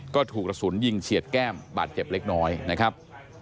ก็ถูกกระสุนยิงเฉียดแก้มบาดเจ็บเล็กน้อยนะครับ